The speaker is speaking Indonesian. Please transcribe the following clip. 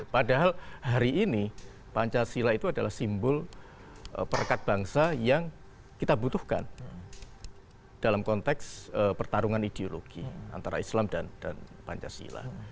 padahal hari ini pancasila itu adalah simbol perekat bangsa yang kita butuhkan dalam konteks pertarungan ideologi antara islam dan pancasila